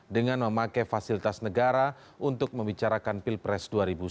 dengan memakai fasilitas negara untuk membicarakan pilpres dua ribu sembilan belas